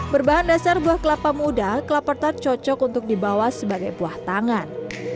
berbahan dasar buah kelapa muda kelaper tart cocok untuk dibawa sebagai buah tangan